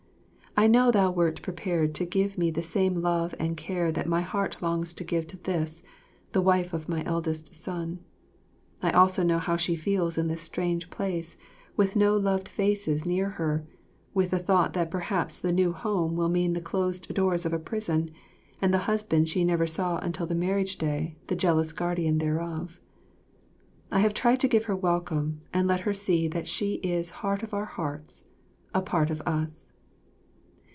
I know thou wert prepared to give me the same love and care that my heart longs to give to this, the wife of my eldest son. I also know how she feels in this strange place, with no loved faces near her, with the thought that perhaps the new home will mean the closed doors of a prison, and the husband she never saw until the marriage day the jealous guardian thereof. I have tried to give her welcome and let her see that she is heart of our hearts, a part of us.